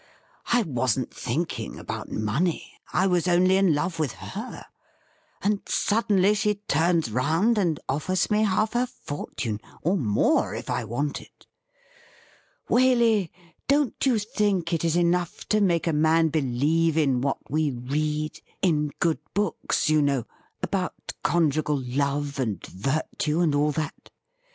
I wasn't thinking about money, I was only in love with her, and suddenly she turns round and offers me half of her fortune, or more if I want it. Waley, don't you think it is enough to make a man believe in what we read, in good books, you know, about conjugal love, and virtue, and all that.?